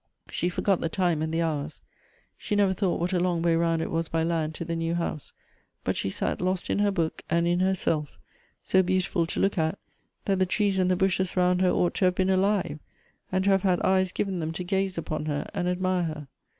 She forgot the time and the hours ; she never thought what a long way round it was by land to the new house ; but she sat lost in her book and in herself, so beautiful to look at, that the trees and the bushes round her ought to have been alive, and to have had eyes given them to gaze upon her and admire her.